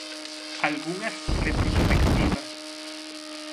Algunhas retrospectivas.